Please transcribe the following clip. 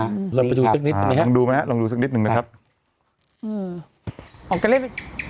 ช่วยดูสักนิดหน่อยลองดูถึงหน่อยครับอือออกกันเร็ว